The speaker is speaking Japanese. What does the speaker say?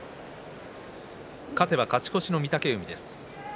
勝てば勝ち越しの御嶽海です。